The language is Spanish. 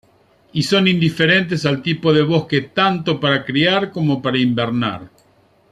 Y son indiferentes al tipo de bosque tanto para criar como para invernar.